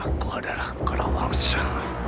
aku adalah kota wangsa